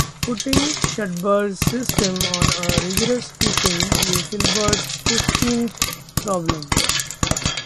Putting Schubert's system on a rigorous footing is Hilbert's fifteenth problem.